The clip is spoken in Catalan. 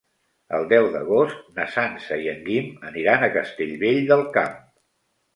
El deu d'agost na Sança i en Guim aniran a Castellvell del Camp.